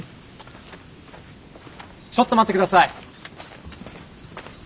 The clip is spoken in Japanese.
ちょっと待って下さい！